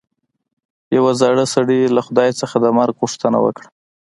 یوه زاړه سړي له خدای څخه د مرګ غوښتنه وکړه.